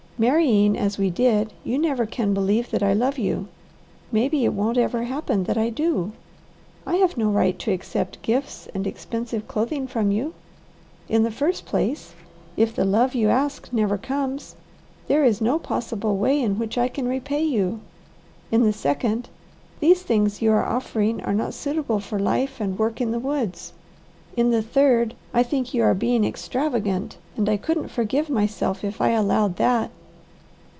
Marrying as we did, you never can believe that I love you; maybe it won't ever happen that I do. I have no right to accept gifts and expensive clothing from you. In the first place, if the love you ask never comes, there is no possible way in which I can repay you. In the second, these things you are offering are not suitable for life and work in the woods. In the third, I think you are being extravagant, and I couldn't forgive myself if I allowed that."